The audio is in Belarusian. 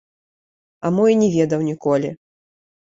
А мо і не ведаў ніколі!